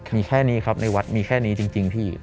มีแค่นี้ครับในวัดมีแค่นี้จริงพี่